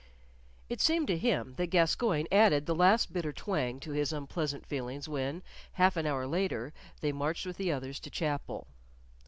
It seemed to him that Gascoyne added the last bitter twang to his unpleasant feelings when, half an hour later, they marched with the others to chapel.